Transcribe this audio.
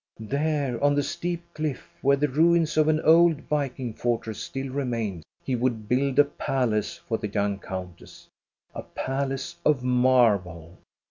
There on the steep cliff, where the ruins of an old viking fortress still remain, he would build a palace for the young countess, a palace of marble.